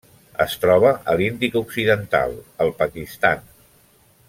Es troba a l'Índic occidental: el Pakistan.